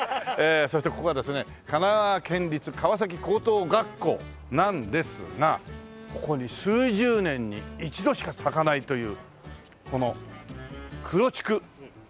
そしてここはですね神奈川県立川崎高等学校なんですがここに数十年に一度しか咲かないというこの「クロチク」。